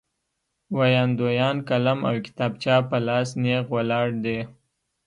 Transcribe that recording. ویاندویان قلم او کتابچه په لاس نېغ ولاړ دي.